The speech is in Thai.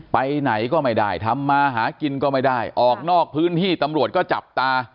ไปไหนก็ไม่ได้ทำมาหากินก็ไม่ได้ออกนอกพื้นที่ตำรวจก็จับตา